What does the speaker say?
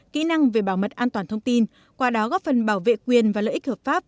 kỹ năng về bảo mật an toàn thông tin qua đó góp phần bảo vệ quyền và lợi ích hợp pháp